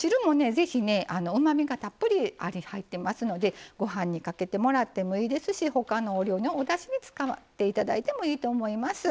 ぜひねうまみがたっぷり入ってますのでご飯にかけてもらってもいいですし他のお料理のおだしに使って頂いてもいいと思います。